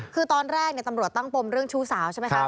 คือตอนแรกตำรวจตั้งปมเรื่องชู้สาวใช่ไหมคะ